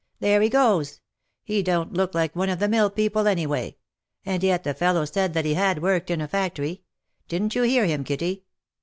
" There he goes ! He don't look like one of the mill people any way — and yet the fellow said that he had worked in a factory. Didn't you hear him, Kitty